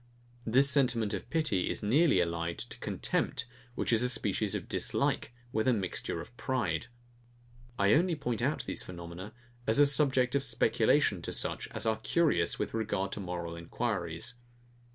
This sentiment of pity is nearly allied to contempt, which is a species of dislike, with a mixture of pride. I only point out these phenomena, as a subject of speculation to such as are curious with regard to moral enquiries.